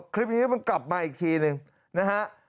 คลิปนี้มันกลับมาอีกทีหนึ่งนะฮะ